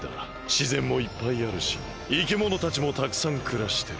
しぜんもいっぱいあるしいきものたちもたくさんくらしてる。